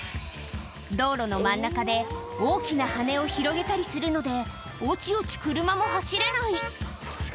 道路の真ん中で、大きな羽を広げたりするので、おちおち車も走れない。